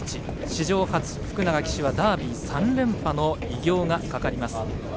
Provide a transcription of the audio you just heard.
史上初、福永騎手はダービー３連覇の偉業がかかります。